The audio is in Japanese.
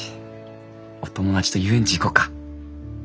お友達と遊園地行こうか。